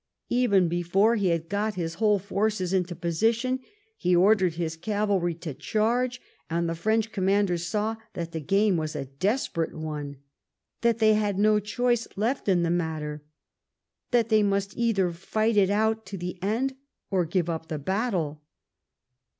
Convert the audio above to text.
Even before he had got his whole forces into position he ordered his cavalry to charge, and the French commanders saw that the game was a desper> ate one; that they had no choice left in the matter; that they must either fight it out to the end or give up the battle.